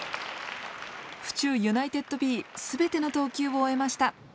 府中ユナイテッドＢ全ての投球を終えました。